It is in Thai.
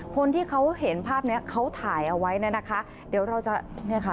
คนที่เขาเห็นภาพนี้เขาถ่ายเอาไว้แน่นะคะ